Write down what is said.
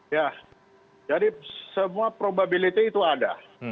ya jadi semua probability itu ada